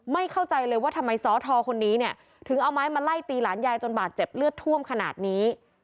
ไม่เข้าใจเลยว่าทำไมสทคนนี้